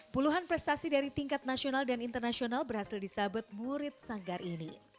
puluhan prestasi dari tingkat nasional dan internasional berhasil disabet murid sanggar ini